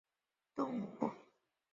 攀鼠为鼠科攀鼠属的动物。